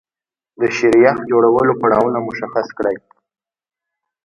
د شیریخ جوړولو پړاوونه مشخص کړئ.